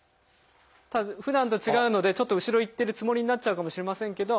ただふだんと違うのでちょっと後ろいってるつもりになっちゃうかもしれませんけど。